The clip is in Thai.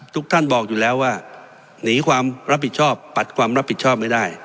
ทุกท่านบอกอยู่แล้วว่าหนีความรับผิดชอบปัดความรับผิดชอบไม่ได้